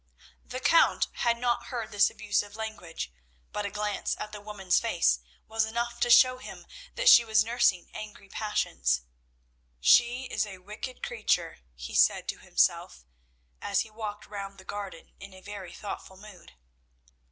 The Count had not heard this abusive language, but a glance at the woman's face was enough to show him that she was nursing angry passions. "She is a wicked creature," he said to himself, as he walked round the garden in a very thoughtful mood.